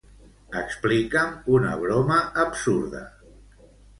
Explica'm una broma absurda.